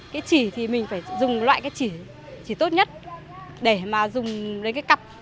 cái chỉ thì mình phải dùng loại cái chỉ tốt nhất để mà dùng đến cái cặp